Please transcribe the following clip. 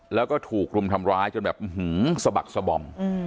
แล้วก็ถูกรุมทำร้ายจนแบบสะบักสบอม